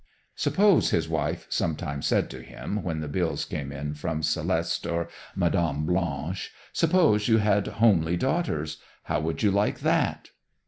"Suppose," his wife sometimes said to him when the bills came in from Céleste or Mme. Blanche, "suppose you had homely daughters; how would you like that?"